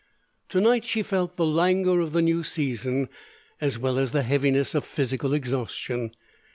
To night she felt the languor of the new season, as well as the heaviness of physical exhaustion.